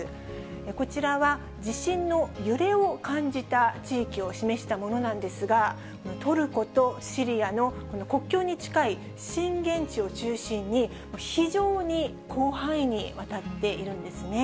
こちらは地震の揺れを感じた地域を示したものなんですが、トルコとシリアの国境に近い震源地を中心に非常に広範囲にわたっているんですね。